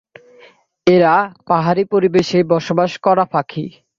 এরা পাহাড়ি পরিবেশে বসবাস করা পাখি।